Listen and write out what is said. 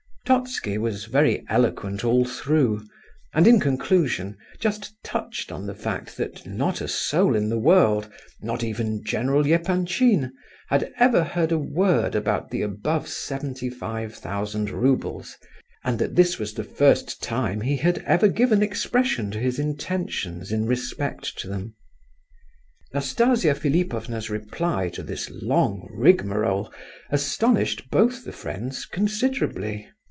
Totski was very eloquent all through, and, in conclusion, just touched on the fact that not a soul in the world, not even General Epanchin, had ever heard a word about the above seventy five thousand roubles, and that this was the first time he had ever given expression to his intentions in respect to them. Nastasia Philipovna's reply to this long rigmarole astonished both the friends considerably.